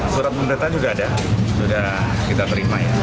surat pembendataan sudah ada sudah kita terima ya